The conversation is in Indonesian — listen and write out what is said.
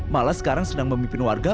malah sekarang sedang memimpin warga